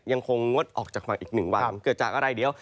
ยังคงงดออกจากฝั่งอีก๑วันเกิดจากอะไรเดี๋ยว